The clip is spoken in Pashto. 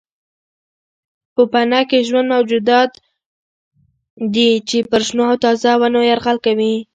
پوپنکي ژوندي موجودات دي چې پر شنو او تازه ونو یرغل کوي.